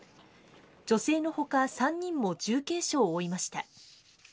女性のほか３人も重軽傷を負いました。